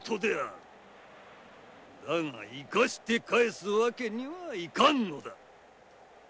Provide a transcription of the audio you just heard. だが生かして帰す訳にはいかんのだ。